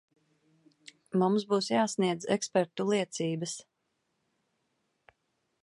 Mums būs jāsniedz ekspertu liecības.